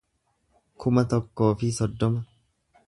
kuma tokkoo fi soddoma